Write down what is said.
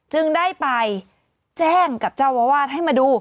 จึงได้ไปแจ้งกับเจ้าอาวาสให้มาดู